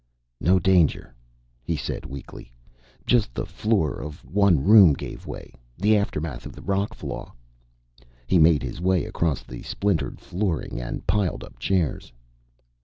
"No danger," he said weakly. "Just the floor of the one room gave way. The aftermath of the rock flaw." He made his way across the splintered flooring and piled up chairs.